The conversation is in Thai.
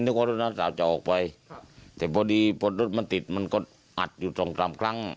ว่ารถน้าสาวจะออกไปแต่พอดีพอรถมันติดมันก็อัดอยู่สองสามครั้ง